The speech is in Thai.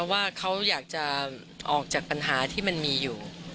ว่าเขาอยากจะออกจากปัญหาที่มันมีอยู่